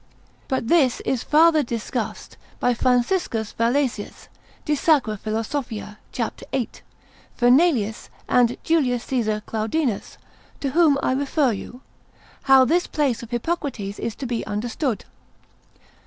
But this is farther discussed by Fran. Valesius, de sacr. philos. cap. 8. Fernelius, and J. Caesar Claudinus, to whom I refer you, how this place of Hippocrates is to be understood.